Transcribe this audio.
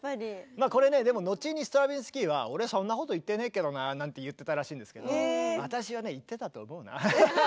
まあこれねでも後にストラヴィンスキーは俺そんなこと言ってねえけどななんて言ってたらしいんですけど私はね言ってたと思うな。